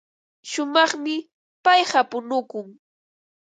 Shumaqmi payqa punukun.